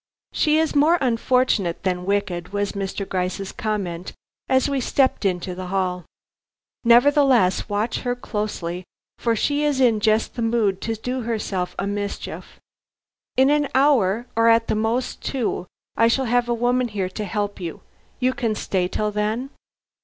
"She is more unfortunate than wicked," was Mr. Gryce's comment as we stepped into the hall. "Nevertheless, watch her closely, for she is in just the mood to do herself a mischief. In an hour, or at the most two, I shall have a woman here to help you. You can stay till then?"